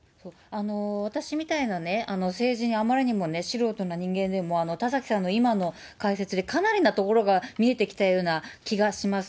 私みたいなね、政治にあまりにも素人な人間でも、田崎さんの今の解説で、かなりなところが見えてきたような気がします。